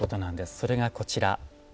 それがこちら。